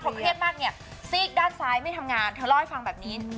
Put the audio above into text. เพราะเครียดมากเนี่ยซีกด้านซ้ายไม่ทำงานเธอลอยฟังแบบนี้